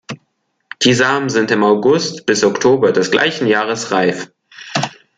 Die Samen sind im August bis Oktober des gleichen Jahres reif.